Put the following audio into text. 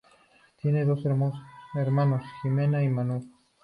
Tiene dos hermanos, Jimena y Manuel.